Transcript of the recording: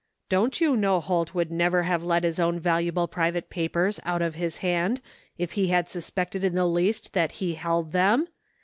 Don't you know Holt would never have let his own valuable private papers out of his hand if he had suspected in the least that he held them?